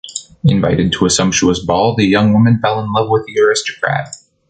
Invited to a sumptuous ball, the young woman fell in love with the aristocrat.